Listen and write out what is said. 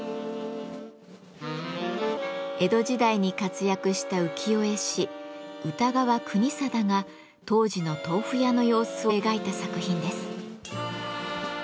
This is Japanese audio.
江戸時代に活躍した浮世絵師歌川国貞が当時の豆腐屋の様子を描いた作品です。